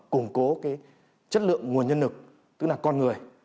củng cố chất lượng nguồn nhân lực tức là con người